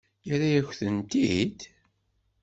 Yerra-yakent-tent-id?